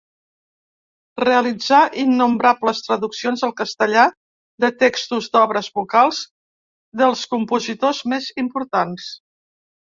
Realitzà innombrables traduccions al castellà de textos d'obres vocals dels compositors més importants.